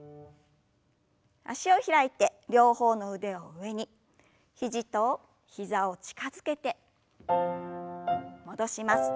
脚を開いて両方の腕を上に肘と膝を近づけて戻します。